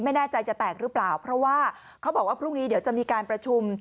เพราะว่าเค้าบอกว่าพรุ่งนี้เดี๋ยวจะมีการประชุม